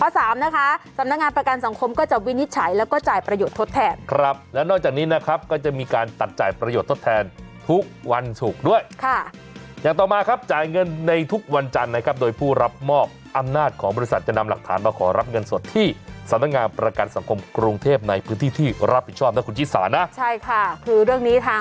๓นะคะสำนักงานประกันสังคมก็จะวินิจฉัยแล้วก็จ่ายประโยชน์ทดแทนครับแล้วนอกจากนี้นะครับก็จะมีการตัดจ่ายประโยชน์ทดแทนทุกวันศุกร์ด้วยค่ะอย่างต่อมาครับจ่ายเงินในทุกวันจันทร์นะครับโดยผู้รับมอบอำนาจของบริษัทจะนำหลักฐานมาขอรับเงินสดที่สำนักงานประกันสังคมกรุงเทพในพื